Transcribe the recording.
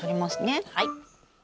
はい。